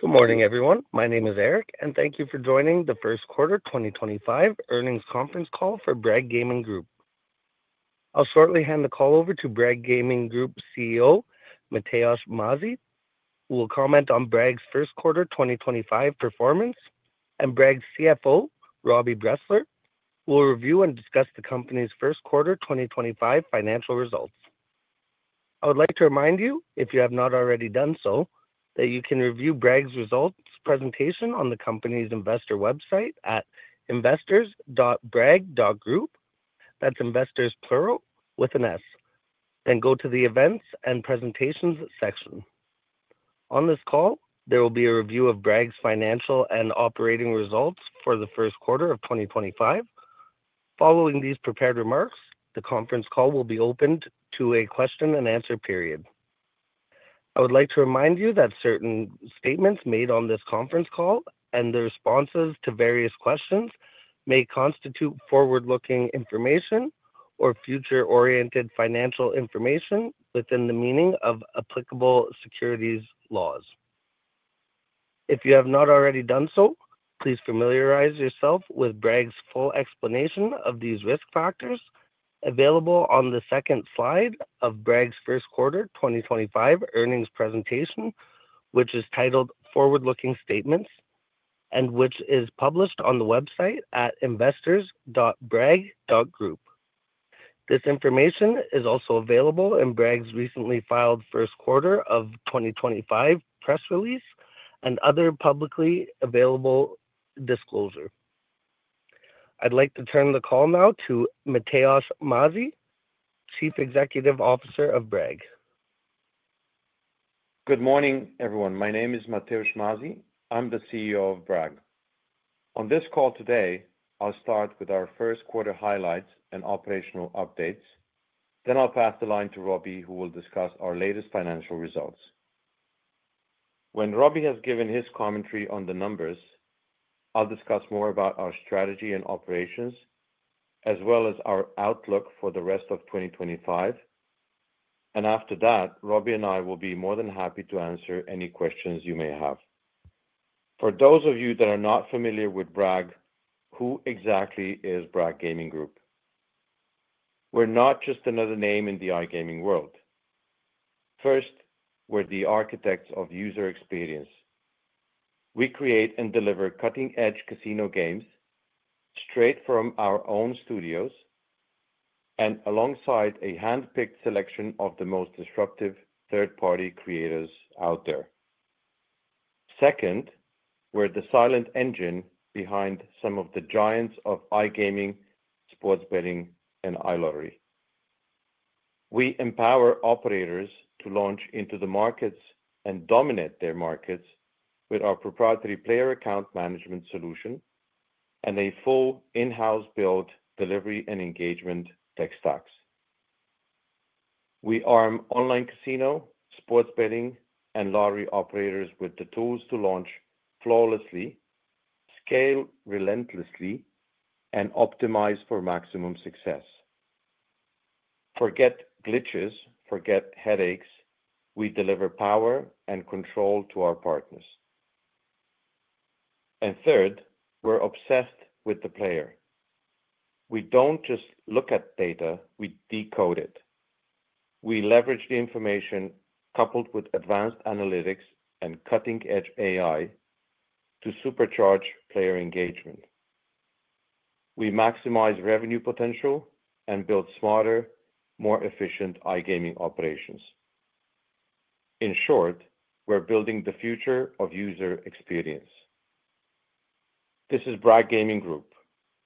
Good morning, everyone. My name is Eric, and thank you for joining the first quarter 2025 earnings conference call for Bragg Gaming Group. I'll shortly hand the call over to Bragg Gaming Group CEO, Matevž Mazij, who will comment on Bragg's first quarter 2025 performance, and Bragg's CFO, Robbie Bressler, who will review and discuss the company's first quarter 2025 financial results. I would like to remind you, if you have not already done so, that you can review Bragg's results presentation on the company's investor website at investors.bragg.group, that's investors plural with an S, then go to the events and presentations section. On this call, there will be a review of Bragg's financial and operating results for the first quarter of 2025. Following these prepared remarks, the conference call will be opened to a question-and-answer period. I would like to remind you that certain statements made on this conference call and the responses to various questions may constitute forward-looking information or future-oriented financial information within the meaning of applicable securities laws. If you have not already done so, please familiarize yourself with Bragg's full explanation of these risk factors available on the second slide of Bragg's first quarter 2025 earnings presentation, which is titled Forward-Looking Statements and which is published on the website at investors.bragg.group. This information is also available in Bragg's recently filed first quarter of 2025 press release and other publicly available disclosure. I'd like to turn the call now to Matevž Mazij, Chief Executive Officer of Bragg. Good morning, everyone. My name is Matevž Mazij. I'm the CEO of Bragg. On this call today, I'll start with our first quarter highlights and operational updates. I will pass the line to Robbie, who will discuss our latest financial results. When Robbie has given his commentary on the numbers, I'll discuss more about our strategy and operations, as well as our outlook for the rest of 2025. After that, Robbie and I will be more than happy to answer any questions you may have. For those of you that are not familiar with Bragg, who exactly is Bragg Gaming Group? We're not just another name in the iGaming world. First, we're the architects of user experience. We create and deliver cutting-edge casino games straight from our own studios and alongside a handpicked selection of the most disruptive third-party creators out there. Second, we're the silent engine behind some of the giants of iGaming, sports betting, and iLottery. We empower operators to launch into the markets and dominate their markets with our proprietary player account management solution and a full in-house build, delivery, and engagement tech stacks. We arm online casino, sports betting, and lottery operators with the tools to launch flawlessly, scale relentlessly, and optimize for maximum success. Forget glitches, forget headaches. We deliver power and control to our partners. Third, we're obsessed with the player. We don't just look at data; we decode it. We leverage the information coupled with advanced analytics and cutting-edge AI to supercharge player engagement. We maximize revenue potential and build smarter, more efficient iGaming operations. In short, we're building the future of user experience. This is Bragg Gaming Group,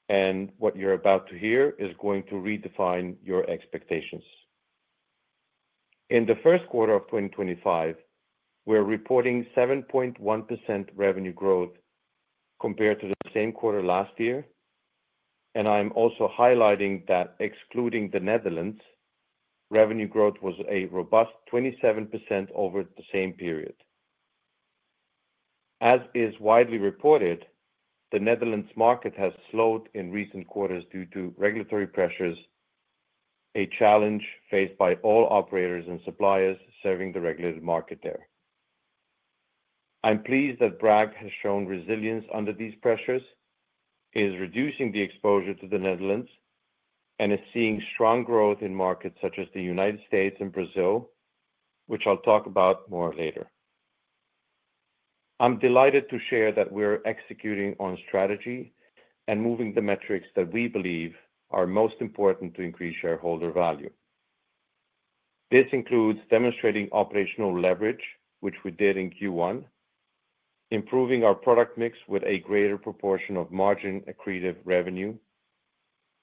and what you're about to hear is going to redefine your expectations. In the first quarter of 2025, we're reporting 7.1% revenue growth compared to the same quarter last year, and I'm also highlighting that excluding the Netherlands, revenue growth was a robust 27% over the same period. As is widely reported, the Netherlands market has slowed in recent quarters due to regulatory pressures, a challenge faced by all operators and suppliers serving the regulated market there. I'm pleased that Bragg has shown resilience under these pressures, is reducing the exposure to the Netherlands, and is seeing strong growth in markets such as the United States and Brazil, which I'll talk about more later. I'm delighted to share that we're executing on strategy and moving the metrics that we believe are most important to increase shareholder value. This includes demonstrating operational leverage, which we did in Q1, improving our product mix with a greater proportion of margin-accretive revenue,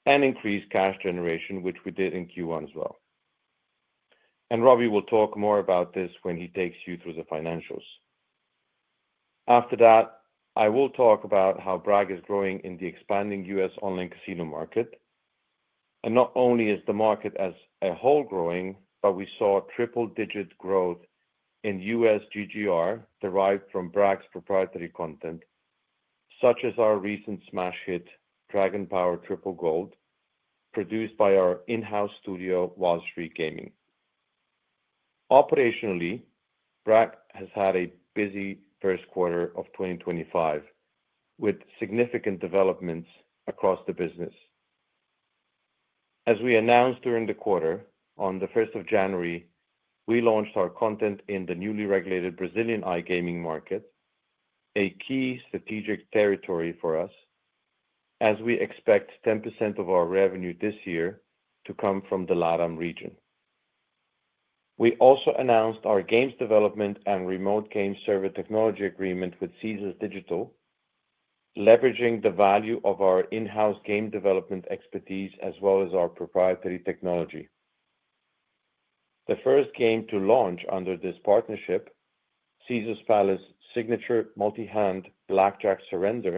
and increased cash generation, which we did in Q1 as well. Robbie will talk more about this when he takes you through the financials. After that, I will talk about how Bragg is growing in the expanding U.S. online casino market. Not only is the market as a whole growing, but we saw triple-digit growth in U.S. GGR derived from Bragg's proprietary content, such as our recent smash hit Dragon Power Triple Gold, produced by our in-house studio Wild Streak Gaming. Operationally, Bragg has had a busy first quarter of 2025 with significant developments across the business. As we announced during the quarter, on the 1st of January, we launched our content in the newly regulated Brazilian iGaming market, a key strategic territory for us, as we expect 10% of our revenue this year to come from the LATAM region. We also announced our games development and remote game server technology agreement with Caesars Digital, leveraging the value of our in-house game development expertise as well as our proprietary technology. The first game to launch under this partnership, Caesars Palace’s signature multi-hand Blackjack Surrender,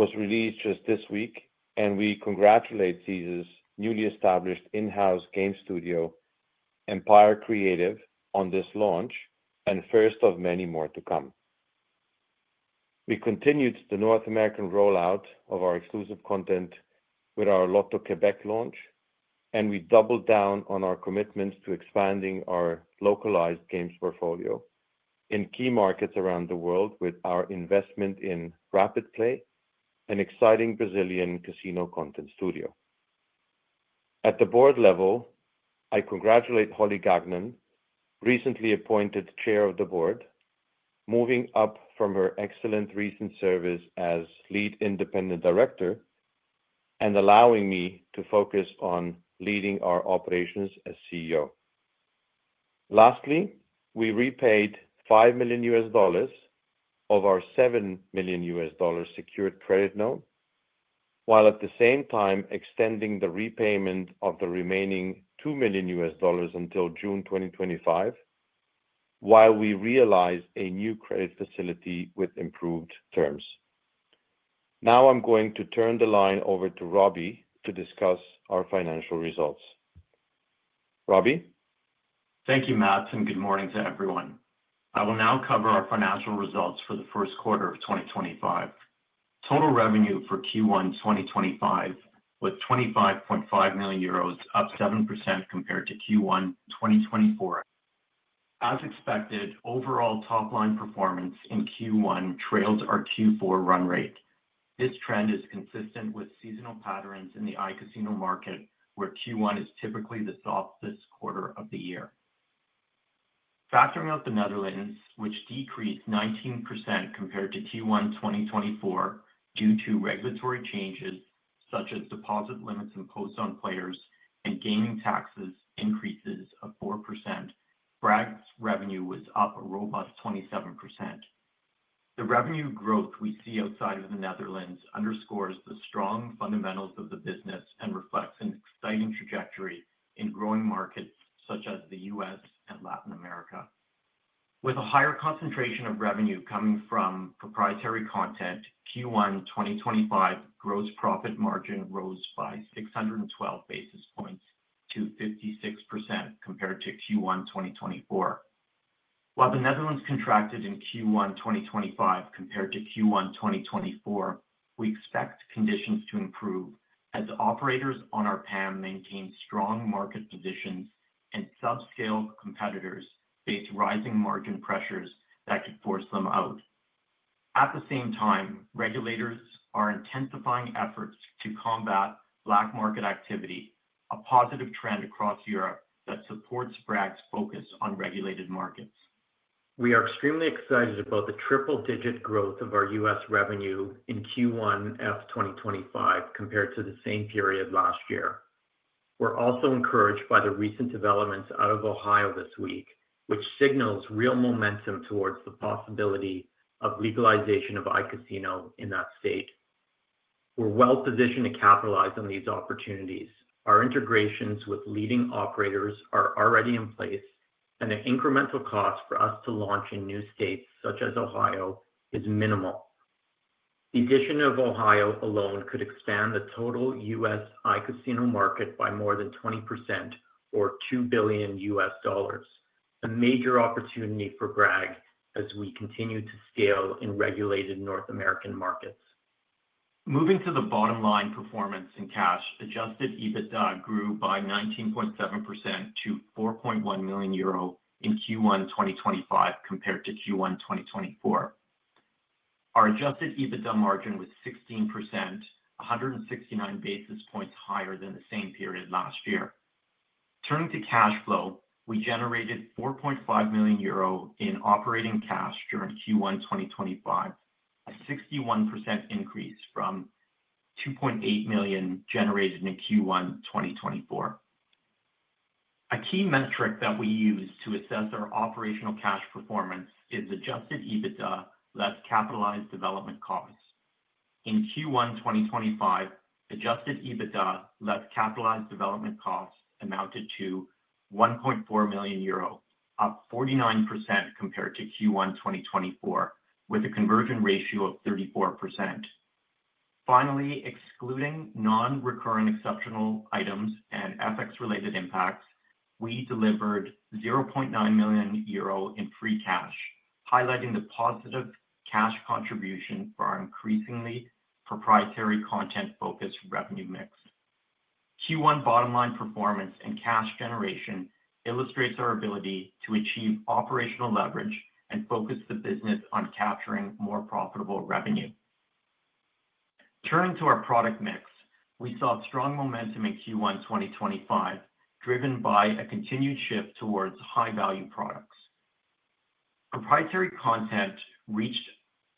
was released just this week, and we congratulate Caesars’ newly established in-house game studio, Empire Creative, on this launch and first of many more to come. We continued the North American rollout of our exclusive content with our Loto-Québec launch, and we doubled down on our commitments to expanding our localized games portfolio in key markets around the world with our investment in RapidPlay, an exciting Brazilian casino content studio. At the board level, I congratulate Holly Gagnon, recently appointed Chair of the Board, moving up from her excellent recent service as Lead Independent Director and allowing me to focus on leading our operations as CEO. Lastly, we repaid $5 million of our $7 million secured credit note, while at the same time extending the repayment of the remaining $2 million until June 2025, while we realize a new credit facility with improved terms. Now I am going to turn the line over to Robbie to discuss our financial results. Robbie? Thank you, Matt. Good morning to everyone. I will now cover our financial results for the first quarter of 2025. Total revenue for Q1 2025 was 25.5 million euros, up 7% compared to Q1 2024. As expected, overall top-line performance in Q1 trails our Q4 run rate. This trend is consistent with seasonal patterns in the iCasino market, where Q1 is typically the softest quarter of the year. Factoring out the Netherlands, which decreased 19% compared to Q1 2024 due to regulatory changes such as deposit limits imposed on players and gaming taxes' increases of 4%, Bragg's revenue was up a robust 27%. The revenue growth we see outside of the Netherlands underscores the strong fundamentals of the business and reflects an exciting trajectory in growing markets such as the U.S. and Latin America. With a higher concentration of revenue coming from proprietary content, Q1 2025 gross profit margin rose by 612 basis points to 56% compared to Q1 2024. While the Netherlands contracted in Q1 2025 compared to Q1 2024, we expect conditions to improve as operators on our PAM maintain strong market positions and subscale competitors face rising margin pressures that could force them out. At the same time, regulators are intensifying efforts to combat black market activity, a positive trend across Europe that supports Bragg's focus on regulated markets. We are extremely excited about the triple-digit growth of our U.S. revenue in Q1 2025 compared to the same period last year. We're also encouraged by the recent developments out of Ohio this week, which signals real momentum towards the possibility of legalization of iCasino in that state. We're well-positioned to capitalize on these opportunities. Our integrations with leading operators are already in place, and the incremental cost for us to launch in new states such as Ohio is minimal. The addition of Ohio alone could expand the total U.S. iCasino market by more than 20% or $2 billion, a major opportunity for Bragg as we continue to scale in regulated North American markets. Moving to the bottom-line performance in cash, adjusted EBITDA grew by 19.7% to 4.1 million euro in Q1 2025 compared to Q1 2024. Our adjusted EBITDA margin was 16%, 169 basis points higher than the same period last year. Turning to cash flow, we generated 4.5 million euro in operating cash during Q1 2025, a 61% increase from 2.8 million generated in Q1 2024. A key metric that we use to assess our operational cash performance is adjusted EBITDA less capitalized development costs. In Q1 2025, adjusted EBITDA less capitalized development costs amounted to 1.4 million euro, up 49% compared to Q1 2024, with a conversion ratio of 34%. Finally, excluding non-recurrent exceptional items and FX-related impacts, we delivered 0.9 million euro in free cash, highlighting the positive cash contribution for our increasingly proprietary content-focused revenue mix. Q1 bottom-line performance and cash generation illustrates our ability to achieve operational leverage and focus the business on capturing more profitable revenue. Turning to our product mix, we saw strong momentum in Q1 2025, driven by a continued shift towards high-value products. Proprietary content reached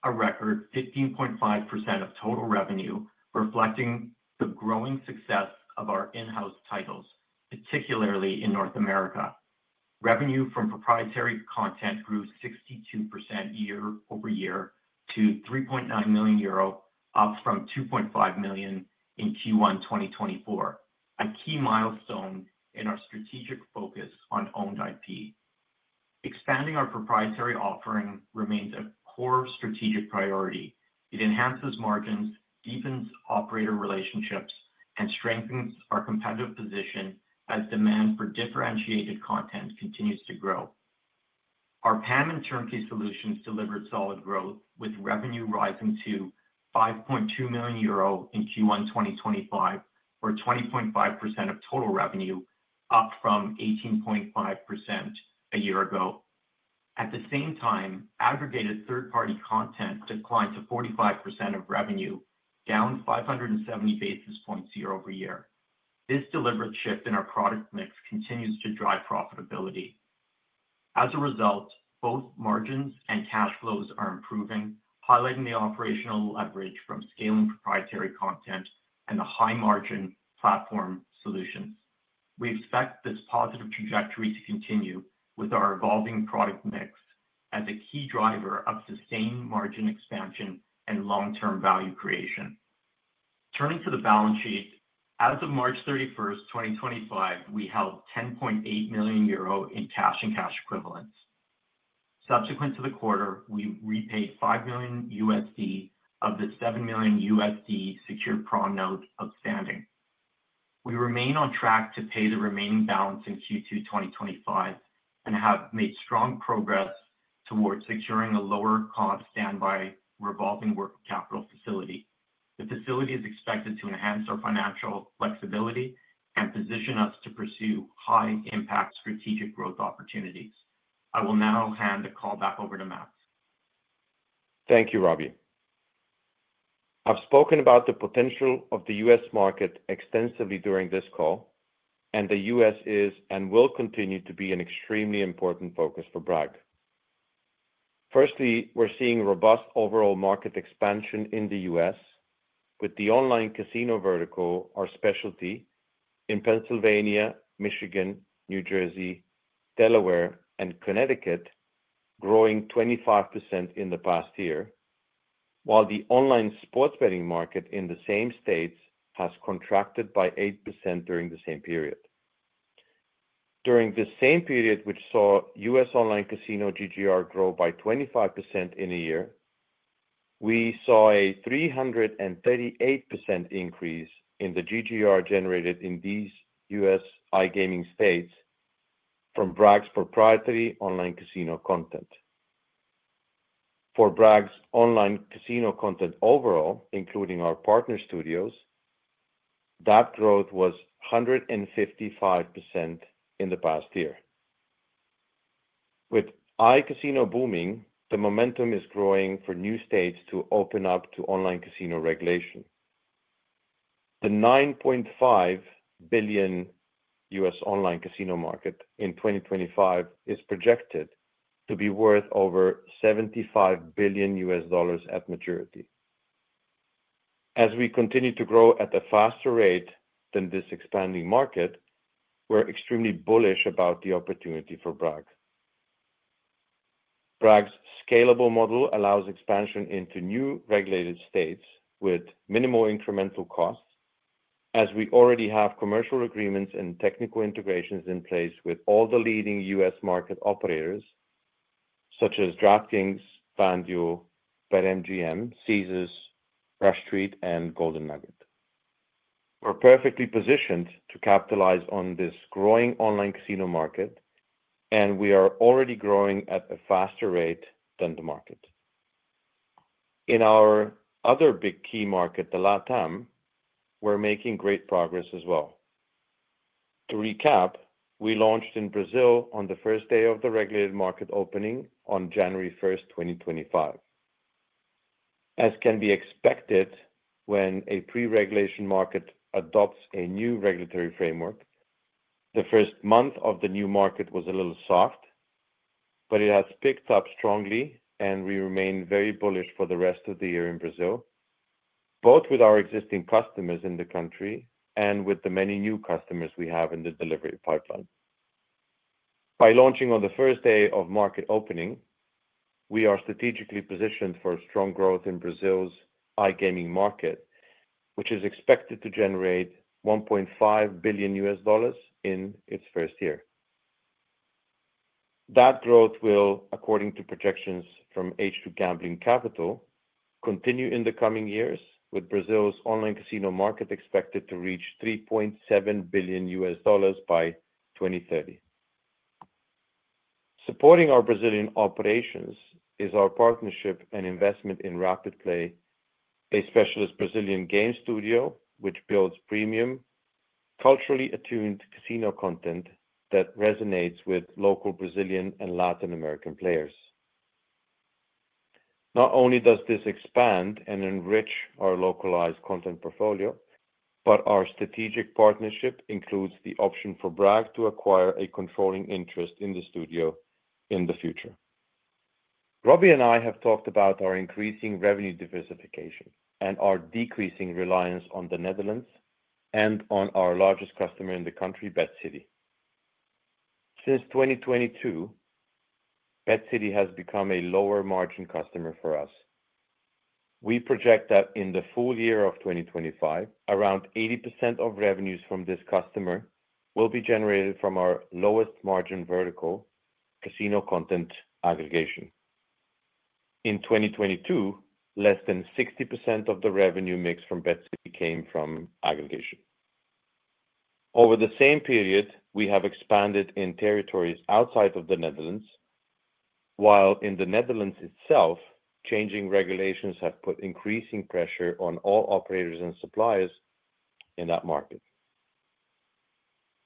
a record 15.5% of total revenue, reflecting the growing success of our in-house titles, particularly in North America. Revenue from proprietary content grew 62% year-over-year to 3.9 million euro, up from 2.5 million in Q1 2024, a key milestone in our strategic focus on owned IP. Expanding our proprietary offering remains a core strategic priority. It enhances margins, deepens operator relationships, and strengthens our competitive position as demand for differentiated content continues to grow. Our PAM and turnkey solutions delivered solid growth, with revenue rising to 5.2 million euro in Q1 2025, or 20.5% of total revenue, up from 18.5% a year ago. At the same time, aggregated third-party content declined to 45% of revenue, down 570 basis points year over year. This deliberate shift in our product mix continues to drive profitability. As a result, both margins and cash flows are improving, highlighting the operational leverage from scaling proprietary content and the high-margin platform solutions. We expect this positive trajectory to continue with our evolving product mix as a key driver of sustained margin expansion and long-term value creation. Turning to the balance sheet, as of March 31st, 2025, we held 10.8 million euro in cash and cash equivalents. Subsequent to the quarter, we repaid $5 million of the $7 million secured prom note outstanding. We remain on track to pay the remaining balance in Q2 2025 and have made strong progress towards securing a lower-cost standby revolving working capital facility. The facility is expected to enhance our financial flexibility and position us to pursue high-impact strategic growth opportunities. I will now hand the call back over to Matt. Thank you, Robbie. I've spoken about the potential of the U.S. market extensively during this call, and the U.S. is and will continue to be an extremely important focus for Bragg. Firstly, we're seeing robust overall market expansion in the U.S., with the online casino vertical our specialty in Pennsylvania, Michigan, New Jersey, Delaware, and Connecticut growing 25% in the past year, while the online sports betting market in the same states has contracted by 8% during the same period. During the same period, which saw U.S. online casino GGR grow by 25% in a year, we saw a 338% increase in the GGR generated in these U.S. iGaming states from Bragg's proprietary online casino content. For Bragg's online casino content overall, including our partner studios, that growth was 155% in the past year. With iCasino booming, the momentum is growing for new states to open up to online casino regulation. The $9.5 billion U.S. online casino market in 2025 is projected to be worth over $75 billion at maturity. As we continue to grow at a faster rate than this expanding market, we're extremely bullish about the opportunity for Bragg. Bragg's scalable model allows expansion into new regulated states with minimal incremental costs, as we already have commercial agreements and technical integrations in place with all the leading U.S. market operators, such as DraftKings, FanDuel, BetMGM, Caesars, Rush Street, and Golden Nugget. We're perfectly positioned to capitalize on this growing online casino market, and we are already growing at a faster rate than the market. In our other big key market, the LAtAm, we're making great progress as well. To recap, we launched in Brazil on the first day of the regulated market opening on January 1st, 2025. As can be expected, when a pre-regulation market adopts a new regulatory framework, the first month of the new market was a little soft, but it has picked up strongly, and we remain very bullish for the rest of the year in Brazil, both with our existing customers in the country and with the many new customers we have in the delivery pipeline. By launching on the first day of market opening, we are strategically positioned for strong growth in Brazil's iGaming market, which is expected to generate $1.5 billion in its first year. That growth will, according to projections from H2 Gambling Capital, continue in the coming years, with Brazil's online casino market expected to reach $3.7 billion by 2030. Supporting our Brazilian operations is our partnership and investment in RapidPlay, a specialist Brazilian game studio which builds premium, culturally attuned casino content that resonates with local Brazilian and Latin American players. Not only does this expand and enrich our localized content portfolio, but our strategic partnership includes the option for Bragg to acquire a controlling interest in the studio in the future. Robbie and I have talked about our increasing revenue diversification and our decreasing reliance on the Netherlands and on our largest customer in the country, BetCity. Since 2022, BetCity has become a lower-margin customer for us. We project that in the full year of 2025, around 80% of revenues from this customer will be generated from our lowest-margin vertical, casino content aggregation. In 2022, less than 60% of the revenue mix from BetCity came from aggregation. Over the same period, we have expanded in territories outside of the Netherlands, while in the Netherlands itself, changing regulations have put increasing pressure on all operators and suppliers in that market.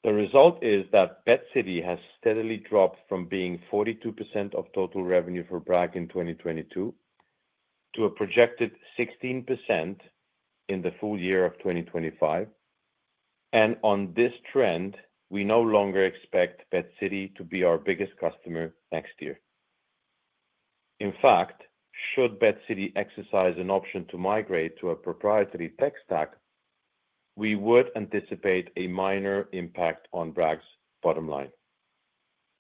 The result is that BetCity has steadily dropped from being 42% of total revenue for Bragg in 2022 to a projected 16% in the full year of 2025, and on this trend, we no longer expect BetCity to be our biggest customer next year. In fact, should BetCity exercise an option to migrate to a proprietary tech stack, we would anticipate a minor impact on Bragg's bottom line.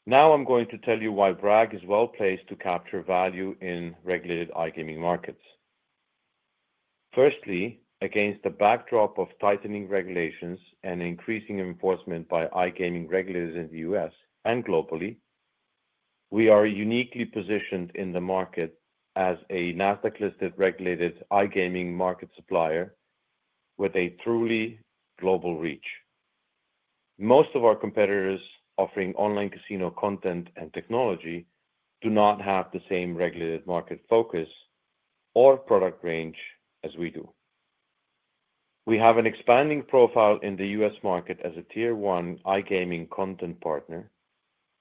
Now I'm going to tell you why Bragg is well placed to capture value in regulated iGaming markets. Firstly, against the backdrop of tightening regulations and increasing enforcement by iGaming regulators in the U.S. and globally, we are uniquely positioned in the market as a NASDAQ-listed regulated iGaming market supplier with a truly global reach. Most of our competitors offering online casino content and technology do not have the same regulated market focus or product range as we do. We have an expanding profile in the U.S. market as a tier-one iGaming content partner,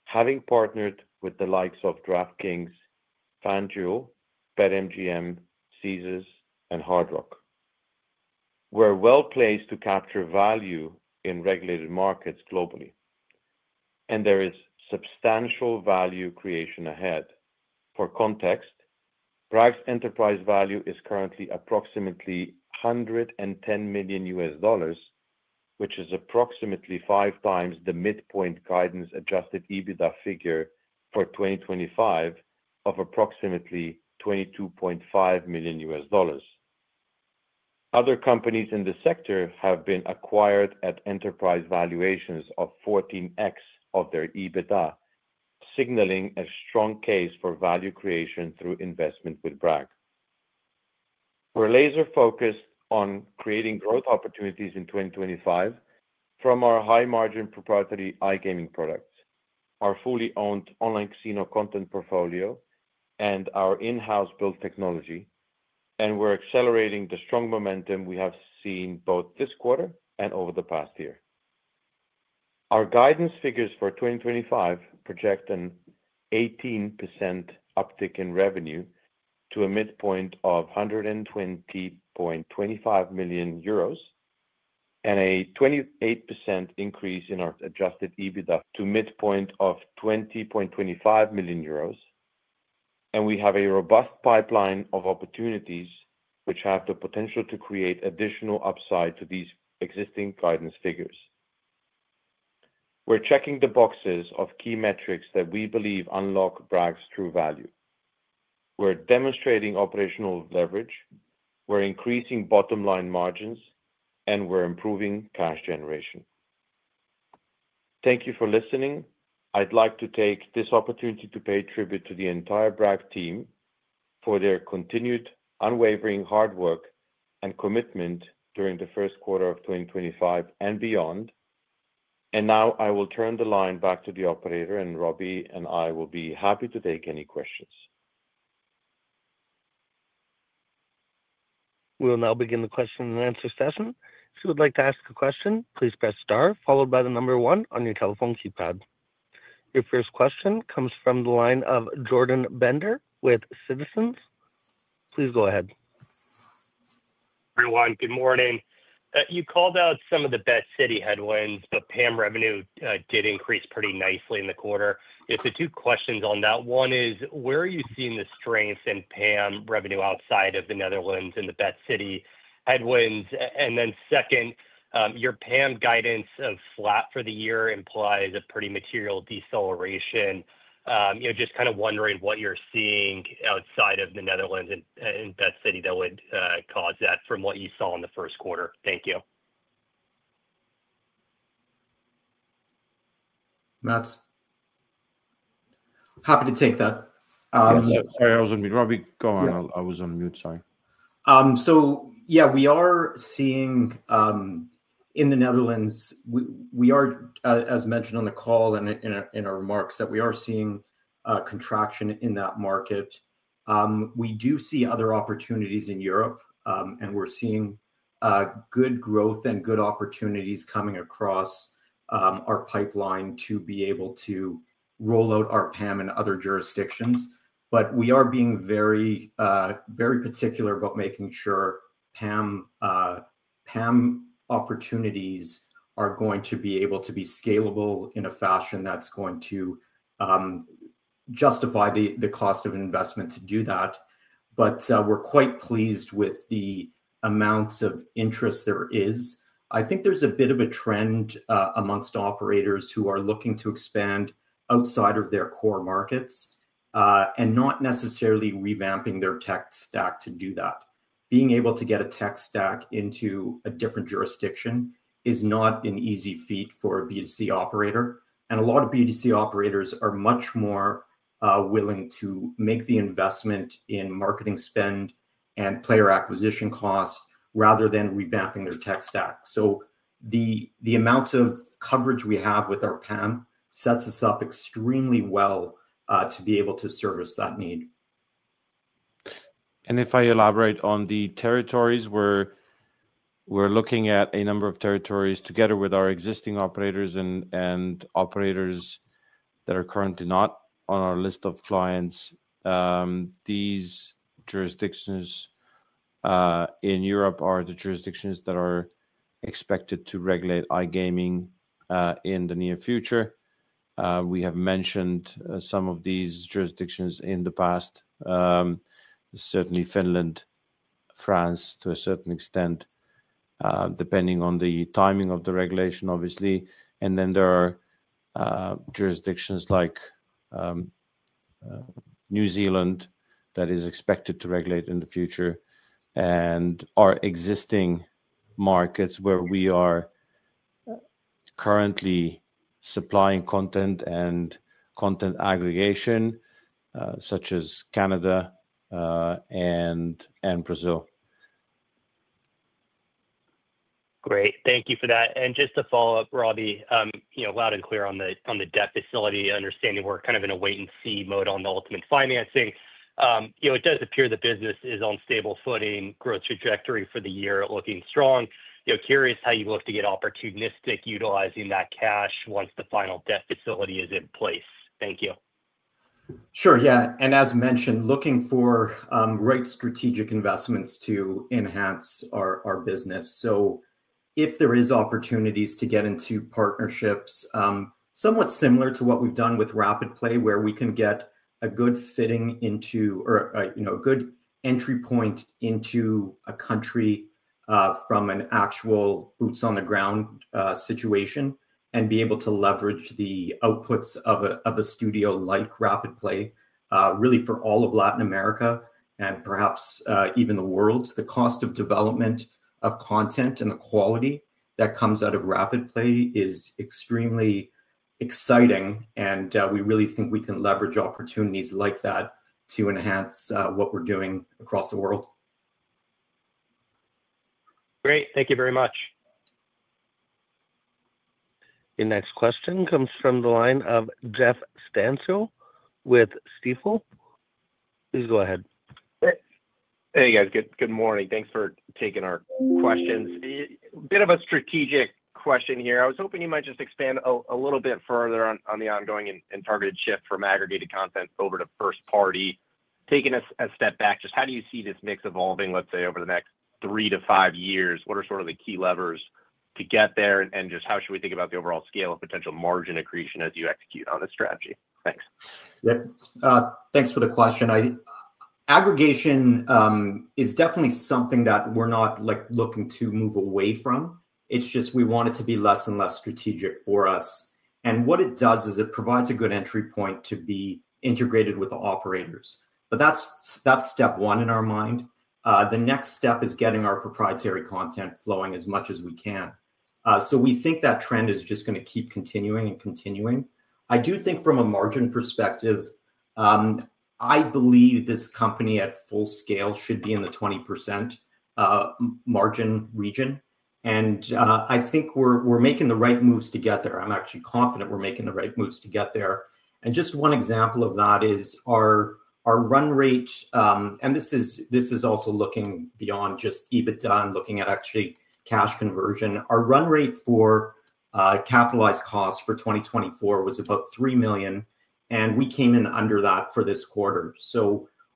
having partnered with the likes of DraftKings, FanDuel, BetMGM, Caesars, and Hard Rock. We're well placed to capture value in regulated markets globally, and there is substantial value creation ahead. For context, Bragg's enterprise value is currently approximately $110 million, which is approximately five times the midpoint guidance adjusted EBITDA figure for 2025 of approximately $22.5 million. Other companies in the sector have been acquired at enterprise valuations of 14x of their EBITDA, signaling a strong case for value creation through investment with Bragg. We're laser-focused on creating growth opportunities in 2025 from our high-margin proprietary iGaming products, our fully-owned online casino content portfolio, and our in-house built technology, and we're accelerating the strong momentum we have seen both this quarter and over the past year. Our guidance figures for 2025 project an 18% uptick in revenue to a midpoint of 120.25 million euros and a 28% increase in our adjusted EBITDA to a midpoint of 20.25 million euros, and we have a robust pipeline of opportunities which have the potential to create additional upside to these existing guidance figures. We're checking the boxes of key metrics that we believe unlock Bragg's true value. We're demonstrating operational leverage, we're increasing bottom-line margins, and we're improving cash generation. Thank you for listening. I'd like to take this opportunity to pay tribute to the entire Bragg team for their continued unwavering hard work and commitment during the first quarter of 2025 and beyond. I will turn the line back to the operator, and Robbie and I will be happy to take any questions. We'll now begin the question-and-answer session. If you would like to ask a question, please press star, followed by the number one on your telephone keypad. Your first question comes from the line of Jordan Bender with Citizens. Please go ahead. Everyone, good morning. You called out some of the BetCity headwinds, but PAM revenue did increase pretty nicely in the quarter. The two questions on that one are, where are you seeing the strength in PAM revenue outside of the Netherlands and the BetCity headwinds? Second, your PAM guidance of flat for the year implies a pretty material deceleration. Just kind of wondering what you're seeing outside of the Netherlands and BetCity that would cause that from what you saw in the first quarter. Thank you. Matt. Happy to take that. Sorry, I was on mute. Robbie, go on. I was on mute, sorry. Yeah, we are seeing in the Netherlands, we are, as mentioned on the call and in our remarks, that we are seeing contraction in that market. We do see other opportunities in Europe, and we're seeing good growth and good opportunities coming across our pipeline to be able to roll out our PAM in other jurisdictions. We are being very particular about making sure PAM opportunities are going to be able to be scalable in a fashion that's going to justify the cost of investment to do that. We are quite pleased with the amounts of interest there is. I think there's a bit of a trend amongst operators who are looking to expand outside of their core markets and not necessarily revamping their tech stack to do that. Being able to get a tech stack into a different jurisdiction is not an easy feat for a B2C operator, and a lot of B2C operators are much more willing to make the investment in marketing spend and player acquisition costs rather than revamping their tech stack. The amount of coverage we have with our PAM sets us up extremely well to be able to service that need. If I elaborate on the territories, we're looking at a number of territories together with our existing operators and operators that are currently not on our list of clients. These jurisdictions in Europe are the jurisdictions that are expected to regulate iGaming in the near future. We have mentioned some of these jurisdictions in the past, certainly Finland, France to a certain extent, depending on the timing of the regulation, obviously. There are jurisdictions like New Zealand that are expected to regulate in the future and our existing markets where we are currently supplying content and content aggregation, such as Canada and Brazil. Great. Thank you for that. Just to follow up, Robbie, loud and clear on the debt facility, understanding we're kind of in a wait-and-see mode on the ultimate financing. It does appear the business is on stable footing, growth trajectory for the year looking strong. Curious how you look to get opportunistic utilizing that cash once the final debt facility is in place. Thank you. Sure. Yeah. As mentioned, looking for right strategic investments to enhance our business. If there are opportunities to get into partnerships somewhat similar to what we've done with RapidPlay, where we can get a good fitting into or a good entry point into a country from an actual boots-on-the-ground situation and be able to leverage the outputs of a studio like RapidPlay, really for all of Latin America and perhaps even the world. The cost of development of content and the quality that comes out of RapidPlay is extremely exciting, and we really think we can leverage opportunities like that to enhance what we're doing across the world. Great. Thank you very much. The next question comes from the line of Jeff Stantial with Stifel. Please go ahead. Hey, guys. Good morning. Thanks for taking our questions. A bit of a strategic question here. I was hoping you might just expand a little bit further on the ongoing and targeted shift from aggregated content over to first-party. Taking a step back, just how do you see this mix evolving, let's say, over the next three to five years? What are sort of the key levers to get there? Just how should we think about the overall scale of potential margin accretion as you execute on this strategy? Thanks. Thanks for the question. Aggregation is definitely something that we're not looking to move away from. It's just we want it to be less and less strategic for us. What it does is it provides a good entry point to be integrated with the operators. That's step one in our mind. The next step is getting our proprietary content flowing as much as we can. We think that trend is just going to keep continuing and continuing. I do think from a margin perspective, I believe this company at full scale should be in the 20% margin region. I think we're making the right moves to get there. I'm actually confident we're making the right moves to get there. Just one example of that is our run rate, and this is also looking beyond just EBITDA and looking at actually cash conversion. Our run rate for capitalized cost for 2024 was about $3 million, and we came in under that for this quarter.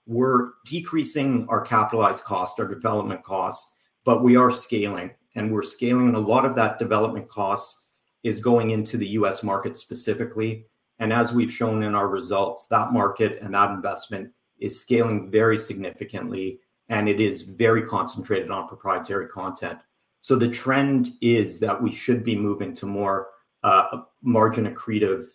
We are decreasing our capitalized cost, our development costs, but we are scaling. We are scaling, and a lot of that development cost is going into the U.S. market specifically. As we have shown in our results, that market and that investment is scaling very significantly, and it is very concentrated on proprietary content. The trend is that we should be moving to more margin-accretive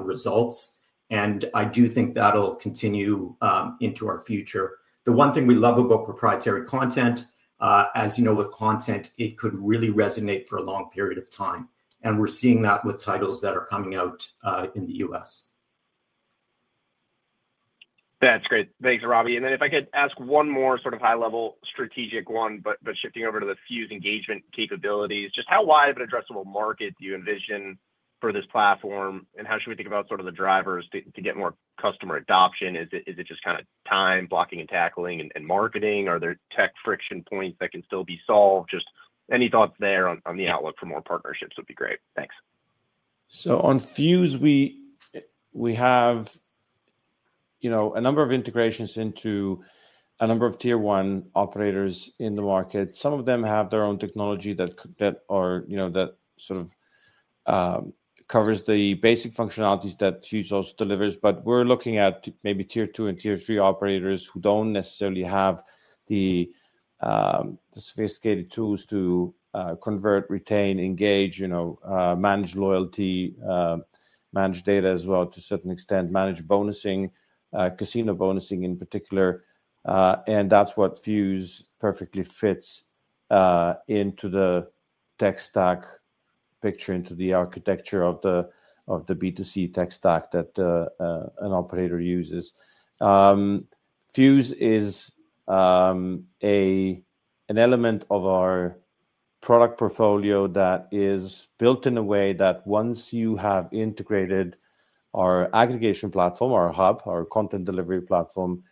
results, and I do think that will continue into our future. The one thing we love about proprietary content, as you know, with content, it could really resonate for a long period of time. We are seeing that with titles that are coming out in the U.S. That's great. Thanks, Robbie. If I could ask one more sort of high-level strategic one, but shifting over to the Fuze engagement capabilities, just how wide of an addressable market do you envision for this platform? How should we think about sort of the drivers to get more customer adoption? Is it just kind of time, blocking and tackling, and marketing? Are there tech friction points that can still be solved? Just any thoughts there on the outlook for more partnerships would be great. Thanks. On Fuze, we have a number of integrations into a number of tier-one operators in the market. Some of them have their own technology that sort of covers the basic functionalities that Fuze also delivers. We are looking at maybe tier-two and tier-three operators who do not necessarily have the sophisticated tools to convert, retain, engage, manage loyalty, manage data as well to a certain extent, manage bonusing, casino bonusing in particular. That is what Fuze perfectly fits into the tech stack picture, into the architecture of the B2C tech stack that an operator uses. Fuze is an element of our product portfolio that is built in a way that once you have integrated our aggregation platform, our hub, our content delivery platform,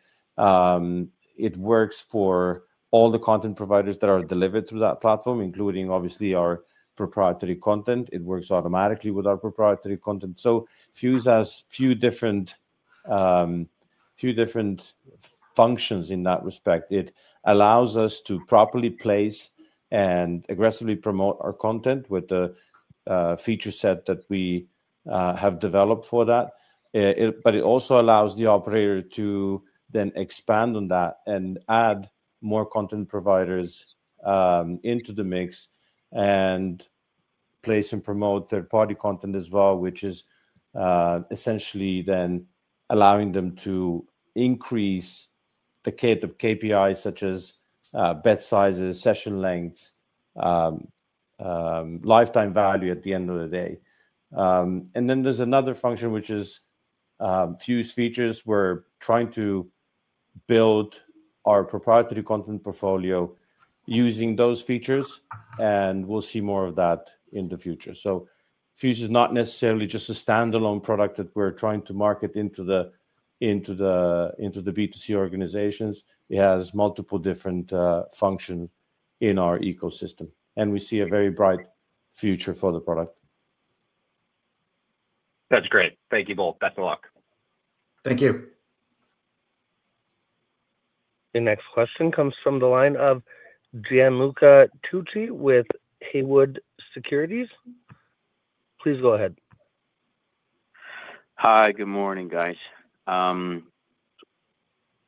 it works for all the content providers that are delivered through that platform, including obviously our proprietary content. It works automatically with our proprietary content. Fuze has a few different functions in that respect. It allows us to properly place and aggressively promote our content with the feature set that we have developed for that. It also allows the operator to then expand on that and add more content providers into the mix and place and promote third-party content as well, which is essentially then allowing them to increase the KPIs such as bet sizes, session lengths, lifetime value at the end of the day. There is another function, which is Fuze features. We're trying to build our proprietary content portfolio using those features, and we'll see more of that in the future. Fuze is not necessarily just a standalone product that we're trying to market into the B2C organizations. It has multiple different functions in our ecosystem, and we see a very bright future for the product. That's great. Thank you both. Best of luck. Thank you. The next question comes from the line of Gianluca Tucci with Haywood Securities. Please go ahead. Hi, good morning, guys.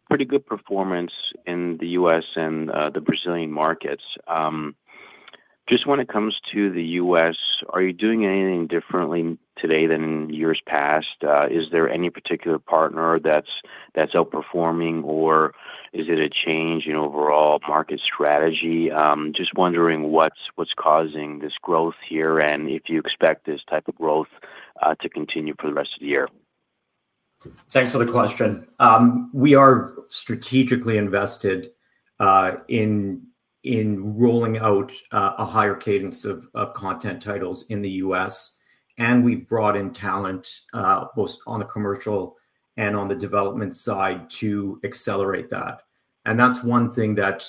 Pretty good performance in the U.S. and the Brazilian markets. Just when it comes to the U.S., are you doing anything differently today than in years past? Is there any particular partner that's outperforming, or is it a change in overall market strategy? Just wondering what's causing this growth here and if you expect this type of growth to continue for the rest of the year. Thanks for the question. We are strategically invested in rolling out a higher cadence of content titles in the U.S., and we've brought in talent both on the commercial and on the development side to accelerate that. That's one thing that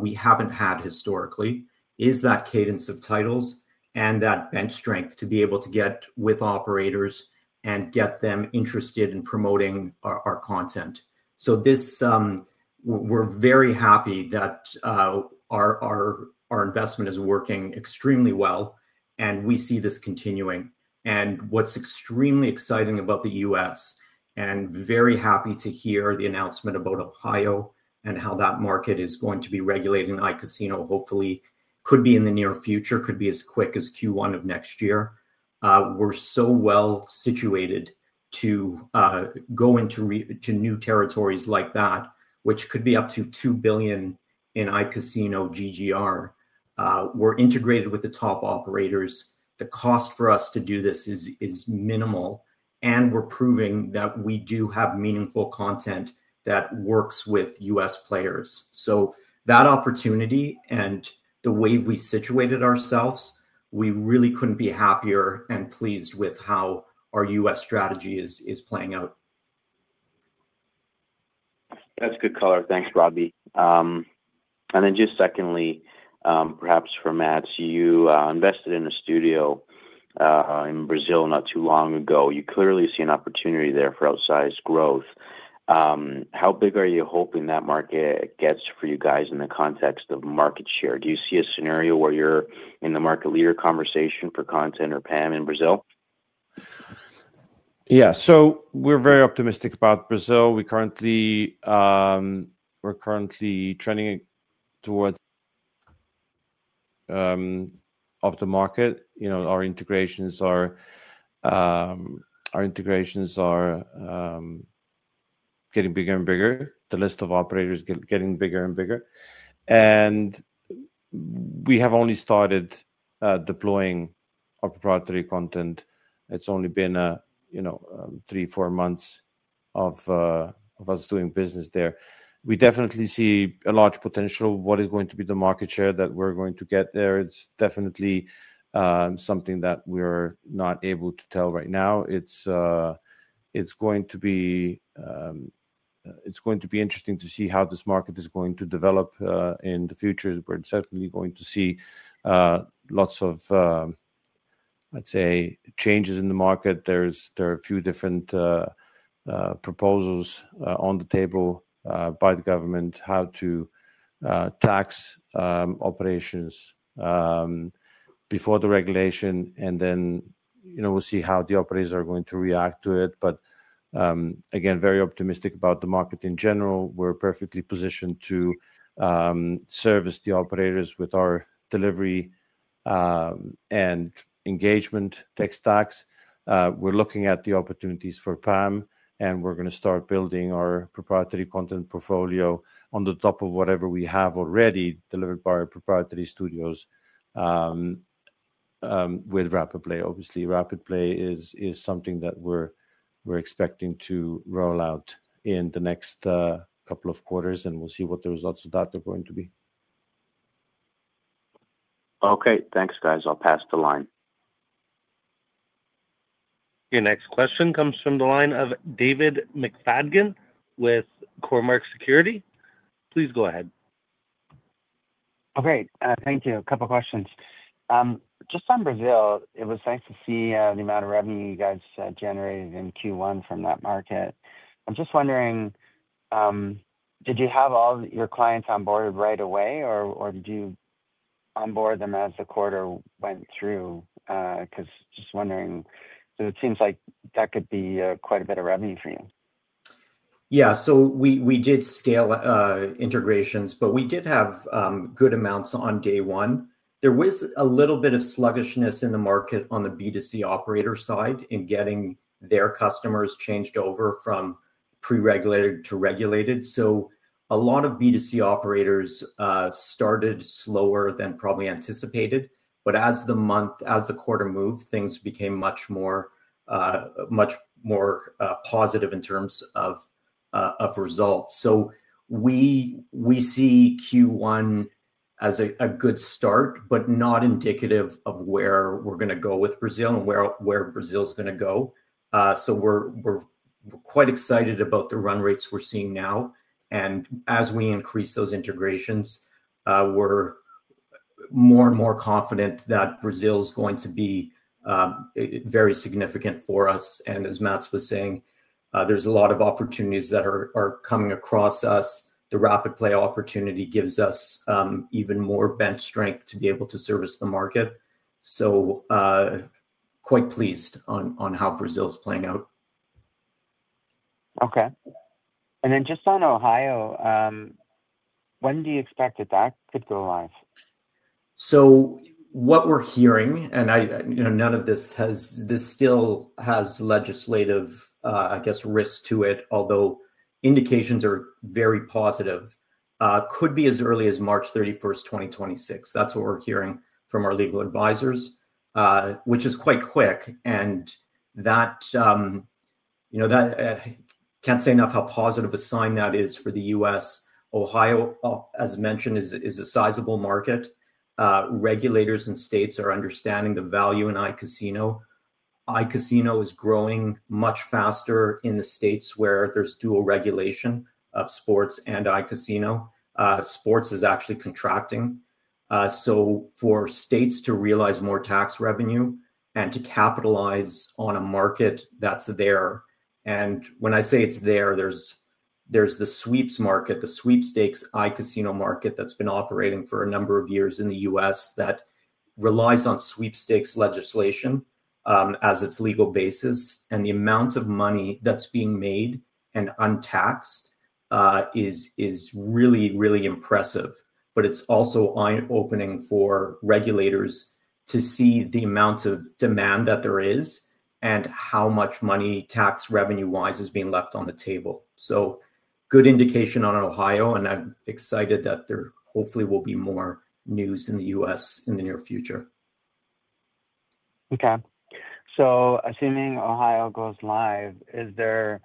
we haven't had historically is that cadence of titles and that bench strength to be able to get with operators and get them interested in promoting our content. We are very happy that our investment is working extremely well, and we see this continuing. What's extremely exciting about the U.S., and very happy to hear the announcement about Ohio and how that market is going to be regulated in iCasino, hopefully could be in the near future, could be as quick as Q1 of next year. We are so well situated to go into new territories like that, which could be up to $2 billion in iCasino GGR. We're integrated with the top operators. The cost for us to do this is minimal, and we're proving that we do have meaningful content that works with U.S. players. That opportunity and the way we situated ourselves, we really couldn't be happier and pleased with how our U.S. strategy is playing out. That's good color. Thanks, Robbie. Then just secondly, perhaps for Matevž, you invested in a studio in Brazil not too long ago. You clearly see an opportunity there for outsized growth. How big are you hoping that market gets for you guys in the context of market share? Do you see a scenario where you're in the market leader conversation for content or PAM in Brazil? Yeah. We are very optimistic about Brazil. We are currently trending towards the market. Our integrations are getting bigger and bigger. The list of operators is getting bigger and bigger. We have only started deploying our proprietary content. It has only been three, four months of us doing business there. We definitely see a large potential. What is going to be the market share that we are going to get there? It is definitely something that we are not able to tell right now. It is going to be interesting to see how this market is going to develop in the future. We are certainly going to see lots of, I would say, changes in the market. There are a few different proposals on the table by the government, how to tax operations before the regulation. We will see how the operators are going to react to it. Again, very optimistic about the market, in general. We're perfectly positioned to service the operators with our delivery and engagement tech stacks. We're looking at the opportunities for PAM, and we're going to start building our proprietary content portfolio on top of whatever we have already delivered by our proprietary studios with RapidPlay. Obviously, RapidPlay is something that we're expecting to roll out in the next couple of quarters, and we'll see what the results of that are going to be. Okay. Thanks, guys. I'll pass the line. The next question comes from the line of David McFadgen with Cormark Securities. Please go ahead. Okay. Thank you. A couple of questions. Just on Brazil, it was nice to see the amount of revenue you guys generated in Q1 from that market. I'm just wondering, did you have all your clients onboarded right away, or did you onboard them as the quarter went through? Because just wondering, it seems like that could be quite a bit of revenue for you. Yeah. We did scale integrations, but we did have good amounts on day one. There was a little bit of sluggishness in the market on the B2C operator side in getting their customers changed over from pre-regulated to regulated. A lot of B2C operators started slower than probably anticipated. As the quarter moved, things became much more positive in terms of results. We see Q1 as a good start, but not indicative of where we are going to go with Brazil and where Brazil is going to go. We are quite excited about the run rates we are seeing now. As we increase those integrations, we are more and more confident that Brazil is going to be very significant for us. As Matevž was saying, there are a lot of opportunities that are coming across us. The RapidPlay opportunity gives us even more bench strength to be able to service the market. Quite pleased on how Brazil is playing out. Okay. And then just on Ohio, when do you expect that that could go live? What we're hearing, and none of this still has legislative, I guess, risk to it, although indications are very positive, could be as early as March 31st, 2026. That's what we're hearing from our legal advisors, which is quite quick. I can't say enough how positive a sign that is for the U.S. Ohio, as mentioned, is a sizable market. Regulators and states are understanding the value in iCasino. iCasino is growing much faster in the states where there's dual regulation of sports and iCasino. Sports is actually contracting. For states to realize more tax revenue and to capitalize on a market that's there. When I say it's there, there's the sweeps market, the sweepstakes iCasino market that's been operating for a number of years in the U.S. that relies on sweepstakes legislation as its legal basis. The amount of money that's being made and untaxed is really, really impressive. It is also eye-opening for regulators to see the amount of demand that there is and how much money tax revenue-wise is being left on the table. Good indication on Ohio, and I'm excited that there hopefully will be more news in the U.S. in the near future. Okay. So assuming Ohio goes live, is there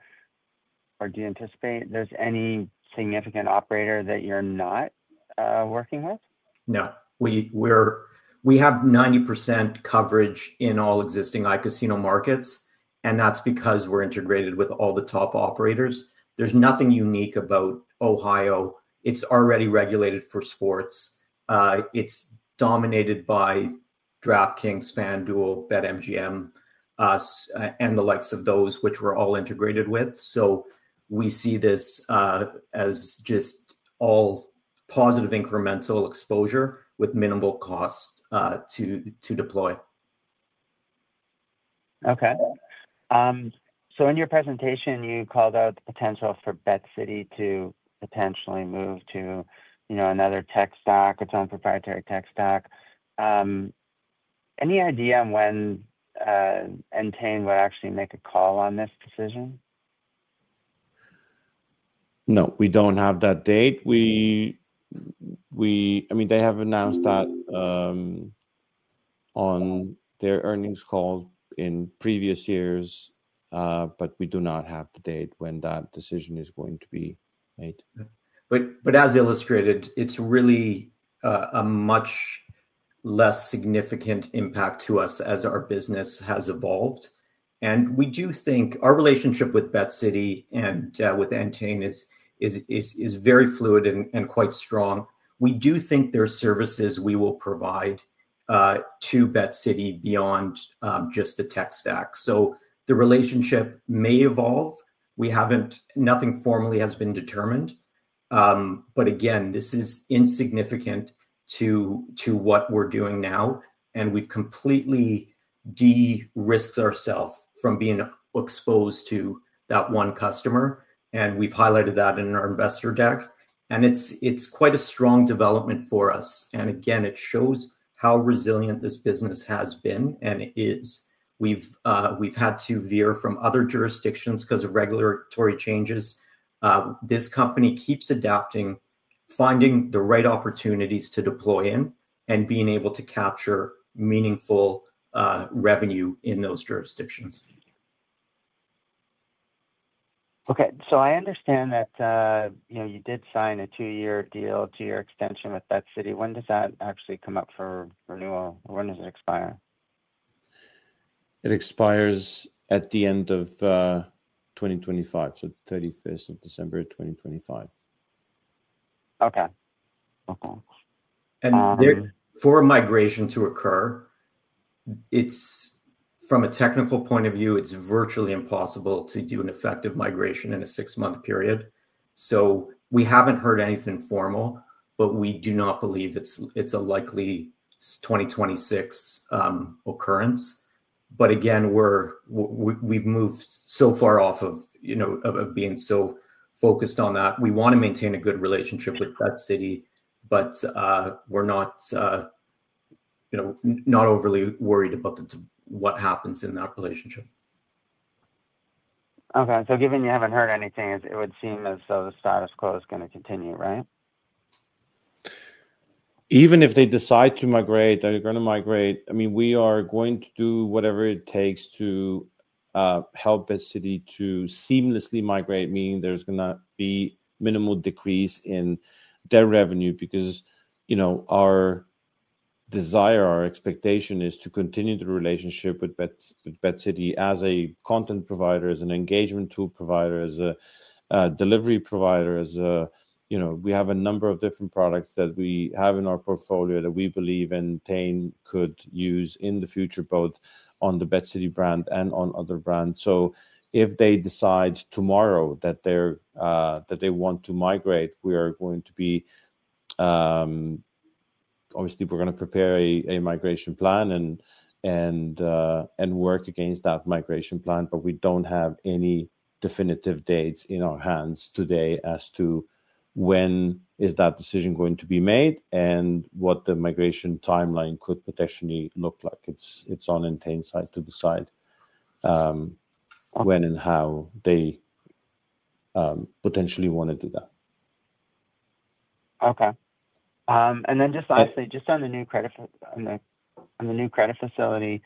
or do you anticipate there's any significant operator that you're not working with? No. We have 90% coverage in all existing iCasino markets, and that's because we're integrated with all the top operators. There's nothing unique about Ohio. It's already regulated for sports. It's dominated by DraftKings, FanDuel, BetMGM, us, and the likes of those, which we're all integrated with. We see this as just all positive incremental exposure with minimal cost to deploy. Okay. In your presentation, you called out the potential for BetCity to potentially move to another tech stack, its own proprietary tech stack. Any idea when Entain will actually make a call on this decision? No, we don't have that date. I mean, they have announced that on their earnings call in previous years, but we do not have the date when that decision is going to be made. As illustrated, it's really a much less significant impact to us as our business has evolved. We do think our relationship with BetCity and with Entain is very fluid and quite strong. We do think there are services we will provide to BetCity beyond just the tech stack. The relationship may evolve. Nothing formally has been determined. This is insignificant to what we're doing now. We've completely de-risked ourselves from being exposed to that one customer. We've highlighted that in our investor deck. It's quite a strong development for us. It shows how resilient this business has been and is. We've had to veer from other jurisdictions because of regulatory changes. This company keeps adapting, finding the right opportunities to deploy in, and being able to capture meaningful revenue in those jurisdictions. Okay. So I understand that you did sign a two-year deal, a two-year extension with BetCity. When does that actually come up for renewal? When does it expire? It expires at the end of 2025, so 31st of December 2025. Okay. For a migration to occur, from a technical point of view, it's virtually impossible to do an effective migration in a six-month period. We haven't heard anything formal, but we do not believe it's a likely 2026 occurrence. Again, we've moved so far off of being so focused on that. We want to maintain a good relationship with BetCity, but we're not overly worried about what happens in that relationship. Okay. So given you haven't heard anything, it would seem as though the status quo is going to continue, right? Even if they decide to migrate, they're going to migrate. I mean, we are going to do whatever it takes to help BetCity to seamlessly migrate, meaning there's going to be minimal decrease in their revenue because our desire, our expectation is to continue the relationship with BetCity as a content provider, as an engagement tool provider, as a delivery provider. We have a number of different products that we have in our portfolio that we believe Entain could use in the future, both on the BetCity brand and on other brands. If they decide tomorrow that they want to migrate, we are going to be obviously, we're going to prepare a migration plan and work against that migration plan. We do not have any definitive dates in our hands today as to when that decision is going to be made and what the migration timeline could potentially look like. It is on Entain's side to decide when and how they potentially want to do that. Okay. And then just lastly, just on the new credit facility,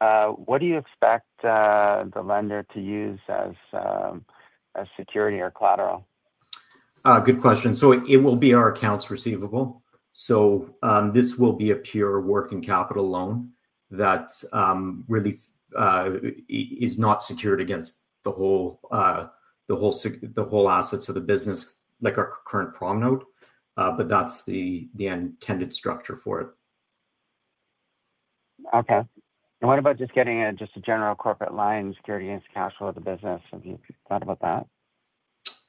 what do you expect the lender to use as security or collateral? Good question. It will be our accounts receivable. This will be a pure working capital loan that really is not secured against the whole assets of the business, like our current prom note, but that's the intended structure for it. Okay. What about just getting just a general corporate line security against cash flow of the business? Have you thought about that?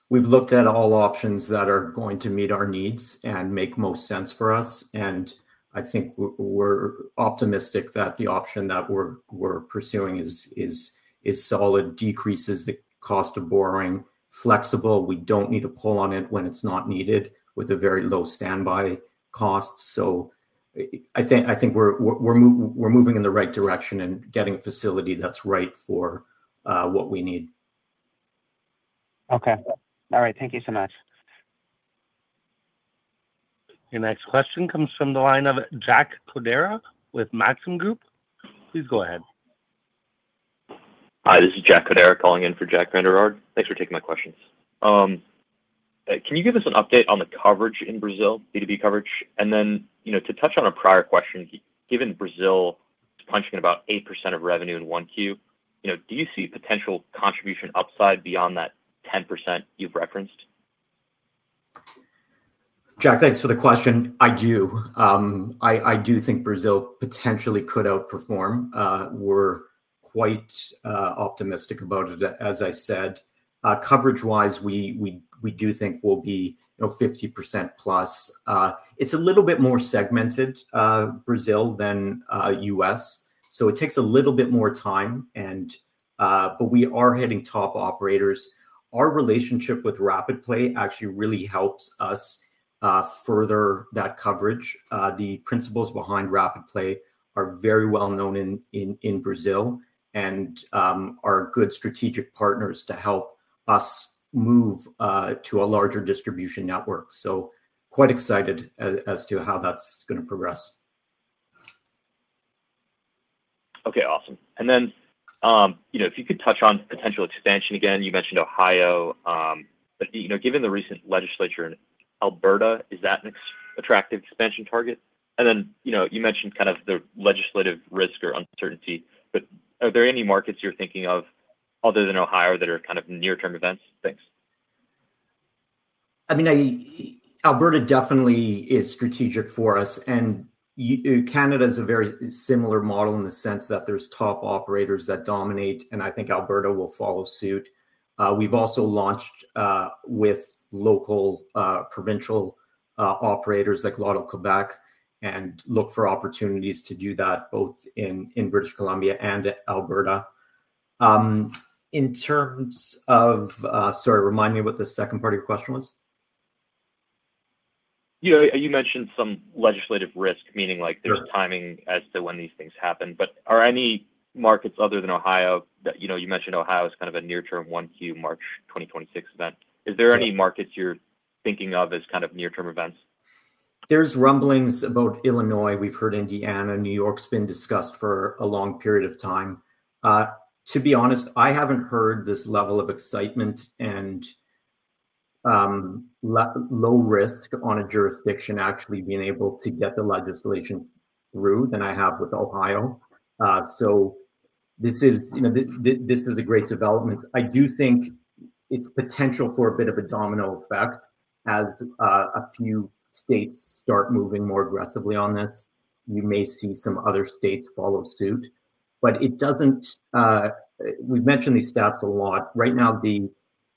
We've looked at all options that are going to meet our needs and make most sense for us. I think we're optimistic that the option that we're pursuing is solid, decreases the cost of borrowing, flexible. We don't need to pull on it when it's not needed with a very low standby cost. I think we're moving in the right direction and getting a facility that's right for what we need. Okay. All right. Thank you so much. The next question comes from the line of Jack Cordero with Maxim Group. Please go ahead. Hi, this is Jack Cordero calling in for Jack Vanderberg. Thanks for taking my questions. Can you give us an update on the coverage in Brazil, B2B coverage? To touch on a prior question, given Brazil is punching about 8% of revenue in 1Q, do you see potential contribution upside beyond that 10% you've referenced? Jack, thanks for the question. I do. I do think Brazil potentially could outperform. We're quite optimistic about it, as I said. Coverage-wise, we do think we'll be 50% plus. It's a little bit more segmented, Brazil, than U.S. It takes a little bit more time, but we are hitting top operators. Our relationship with RapidPlay actually really helps us further that coverage. The principals behind RapidPlay are very well known in Brazil and are good strategic partners to help us move to a larger distribution network. Quite excited as to how that's going to progress. Okay. Awesome. If you could touch on potential expansion again, you mentioned Ohio. Given the recent legislature in Alberta, is that an attractive expansion target? You mentioned kind of the legislative risk or uncertainty. Are there any markets you're thinking of other than Ohio that are kind of near-term events? Thanks. I mean, Alberta definitely is strategic for us. Canada is a very similar model in the sense that there are top operators that dominate, and I think Alberta will follow suit. We have also launched with local provincial operators like Loto-Québec and look for opportunities to do that both in British Columbia and Alberta. In terms of—sorry, remind me what the second part of your question was. You mentioned some legislative risk, meaning there's timing as to when these things happen. Are any markets other than Ohio? You mentioned Ohio is kind of a near-term 1Q March 2026 event. Are there any markets you're thinking of as kind of near-term events? There's rumblings about Illinois. We've heard Indiana. New York's been discussed for a long period of time. To be honest, I haven't heard this level of excitement and low risk on a jurisdiction actually being able to get the legislation through than I have with Ohio. This is a great development. I do think it's potential for a bit of a domino effect as a few states start moving more aggressively on this. You may see some other states follow suit. We've mentioned these stats a lot. Right now, the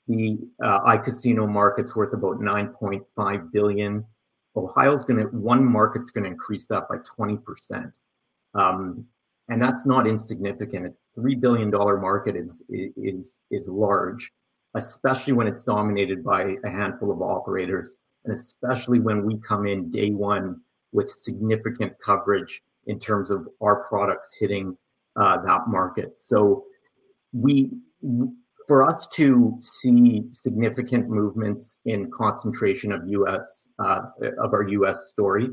iCasino market's worth about $9.5 billion. One market's going to increase that by 20%. That's not insignificant. The $3 billion market is large, especially when it's dominated by a handful of operators, and especially when we come in day one with significant coverage in terms of our products hitting that market. For us to see significant movements in concentration of our U.S. story,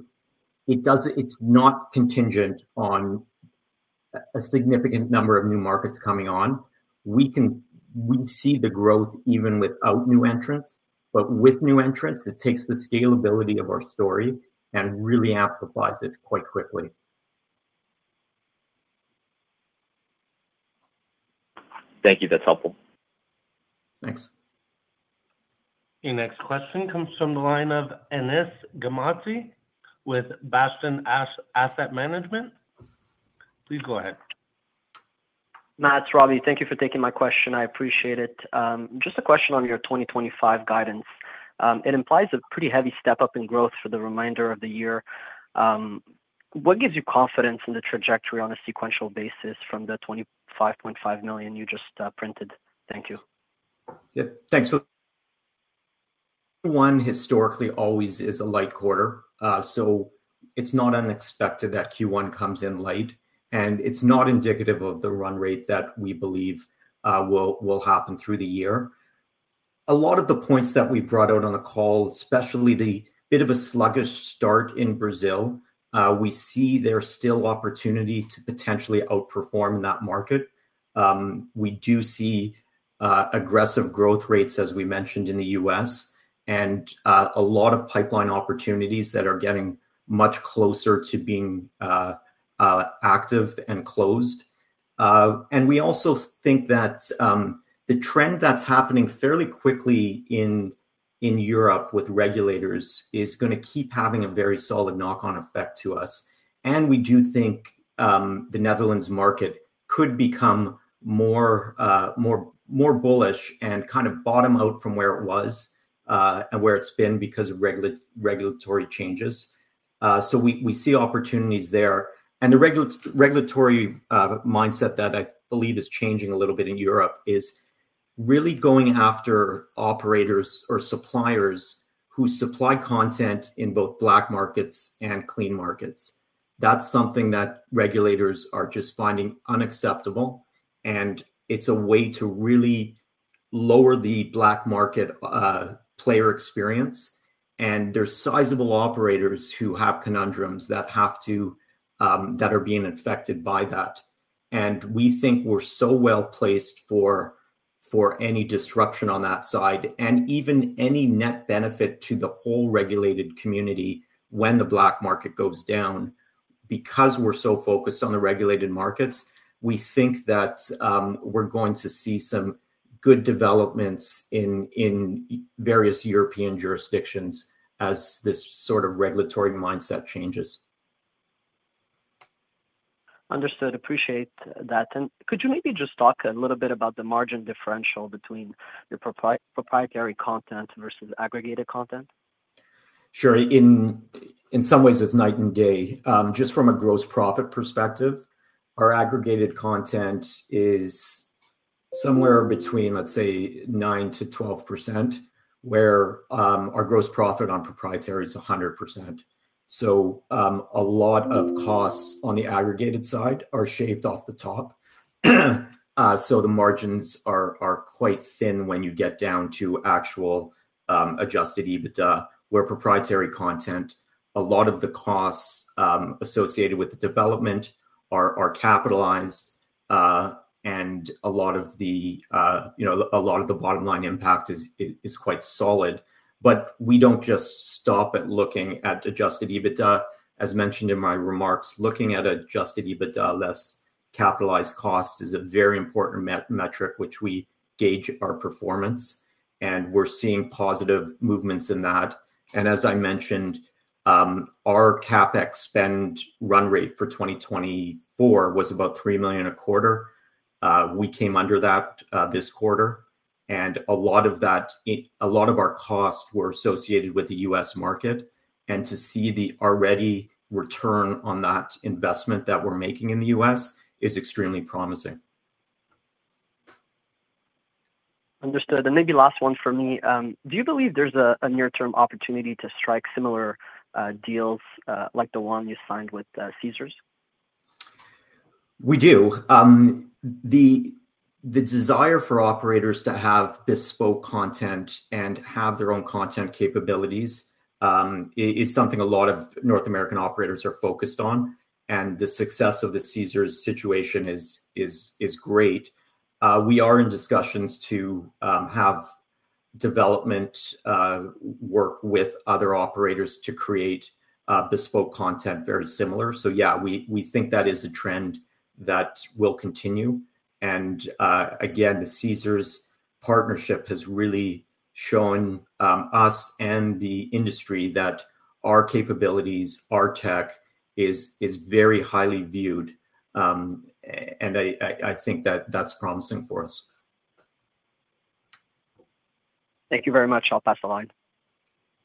it's not contingent on a significant number of new markets coming on. We see the growth even without new entrants. With new entrants, it takes the scalability of our story and really amplifies it quite quickly. Thank you. That's helpful. Thanks. The next question comes from the line of Aniss Gamassi with Bastion Asset Management. Please go ahead. Matt, Robbie, thank you for taking my question. I appreciate it. Just a question on your 2025 guidance. It implies a pretty heavy step up in growth for the remainder of the year. What gives you confidence in the trajectory on a sequential basis from the $25.5 million you just printed? Thank you. Yeah. Thanks for the—Q1 historically always is a light quarter. It is not unexpected that Q1 comes in light. It is not indicative of the run rate that we believe will happen through the year. A lot of the points that we brought out on the call, especially the bit of a sluggish start in Brazil, we see there is still opportunity to potentially outperform in that market. We do see aggressive growth rates, as we mentioned, in the U.S., and a lot of pipeline opportunities that are getting much closer to being active and closed. We also think that the trend that is happening fairly quickly in Europe with regulators is going to keep having a very solid knock-on effect to us. We do think the Netherlands market could become more bullish and kind of bottom out from where it was and where it has been because of regulatory changes. We see opportunities there. The regulatory mindset that I believe is changing a little bit in Europe is really going after operators or suppliers who supply content in both black markets and clean markets. That is something that regulators are just finding unacceptable. It is a way to really lower the black market player experience. There are sizable operators who have conundrums that are being affected by that. We think we are so well placed for any disruption on that side and even any net benefit to the whole regulated community when the black market goes down. Because we are so focused on the regulated markets, we think that we are going to see some good developments in various European jurisdictions as this sort of regulatory mindset changes. Understood. Appreciate that. Could you maybe just talk a little bit about the margin differential between your proprietary content versus aggregated content? Sure. In some ways, it's night and day. Just from a gross profit perspective, our aggregated content is somewhere between, let's say, 9%-12%, where our gross profit on proprietary is 100%. So a lot of costs on the aggregated side are shaved off the top. The margins are quite thin when you get down to actual adjusted EBITDA, where proprietary content, a lot of the costs associated with the development are capitalized. A lot of the bottom line impact is quite solid. We do not just stop at looking at adjusted EBITDA. As mentioned in my remarks, looking at adjusted EBITDA less capitalized cost is a very important metric, which we gauge our performance. We are seeing positive movements in that. As I mentioned, our CapEx spend run rate for 2024 was about $3 million a quarter. We came under that this quarter. A lot of that—a lot of our costs were associated with the U.S. market. To see the already return on that investment that we're making in the U.S. is extremely promising. Understood. Maybe last one for me. Do you believe there is a near-term opportunity to strike similar deals like the one you signed with Caesars? We do. The desire for operators to have bespoke content and have their own content capabilities is something a lot of North American operators are focused on. The success of the Caesars situation is great. We are in discussions to have development work with other operators to create bespoke content very similar. Yeah, we think that is a trend that will continue. The Caesars partnership has really shown us and the industry that our capabilities, our tech is very highly viewed. I think that that's promising for us. Thank you very much. I'll pass the line.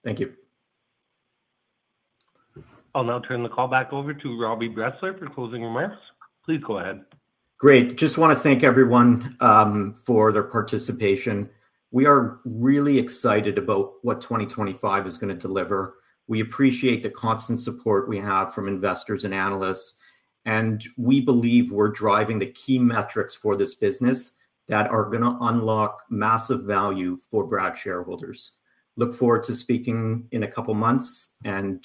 Thank you. I'll now turn the call back over to Robbie Bressler for closing remarks. Please go ahead. Great. Just want to thank everyone for their participation. We are really excited about what 2025 is going to deliver. We appreciate the constant support we have from investors and analysts. We believe we're driving the key metrics for this business that are going to unlock massive value for Bragg's shareholders. Look forward to speaking in a couple of months, and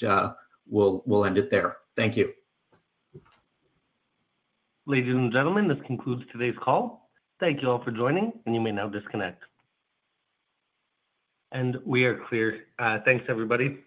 we'll end it there. Thank you. Ladies and gentlemen, this concludes today's call. Thank you all for joining, and you may now disconnect. We are clear. Thanks, everybody.